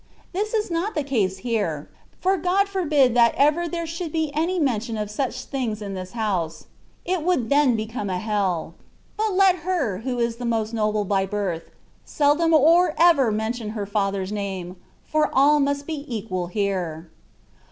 This is not the case here ; for <3rod forbid that ever there should be any mention of such things in this house ; it would then become a hell. But let her who is the most noble by birth seldom or ever mention her father's name ; for all must be equal here.